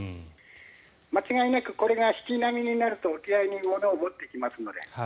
間違いなくこれが引き波になると沖合にものを持ってきますので。